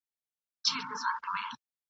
د افغاني زلمیانو سرونه تر بل هرڅه مهم وو.